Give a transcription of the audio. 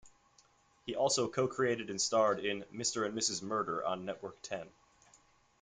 He also co-created and starred in "Mr and Mrs Murder" on Network Ten.